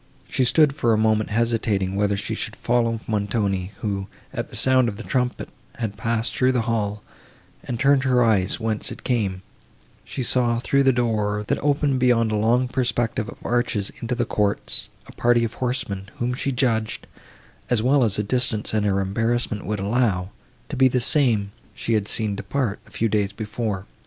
She stood for a moment hesitating whether she should follow Montoni, who, at the sound of the trumpet, had passed through the hall, and, turning her eyes whence it came, she saw through the door, that opened beyond a long perspective of arches into the courts, a party of horsemen, whom she judged, as well as the distance and her embarrassment would allow, to be the same she had seen depart, a few days before.